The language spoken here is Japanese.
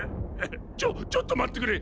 ちょっちょっと待ってくれ！